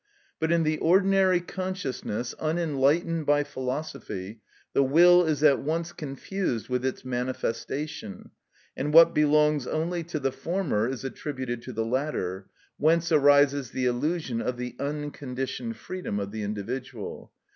But in the ordinary consciousness, unenlightened by philosophy, the will is at once confused with its manifestation, and what belongs only to the former is attributed to the latter, whence arises the illusion of the unconditioned freedom of the individual.